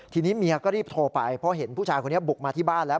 ทีนี้เมียก็รีบโทรไปเพราะเห็นผู้ชายคนนี้บุกมาที่บ้านแล้ว